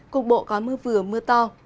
cục bộ có mưa vừa mưa to